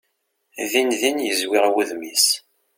Din din yezwiɣ wudem-is.